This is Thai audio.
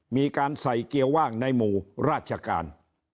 มีการใส่เกียร์ว่างในหมู่ราชการ